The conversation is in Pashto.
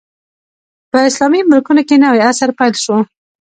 په اسلامي ملکونو کې نوی عصر پیل شو.